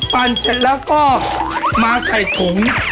เสร็จแล้วก็มาใส่ถุง